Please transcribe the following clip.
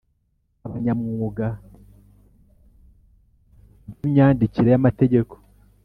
Abanyamwuga mu by imyandikire y amategeko